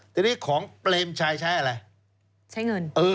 ทีนี้ของเปรมชัยใช้อะไร